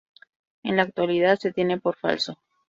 En la actualidad se tiene por falso.